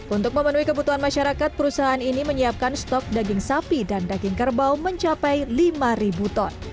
untuk memenuhi kebutuhan masyarakat perusahaan ini menyiapkan stok daging sapi dan daging kerbau mencapai lima ton